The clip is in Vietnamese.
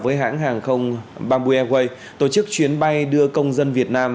với hãng hàng không bamboo airways tổ chức chuyến bay đưa công dân việt nam